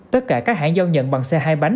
tất cả các hãng giao nhận bằng xe hai bánh